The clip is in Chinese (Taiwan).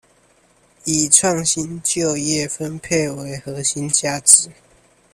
以創新、就業、分配為核心價值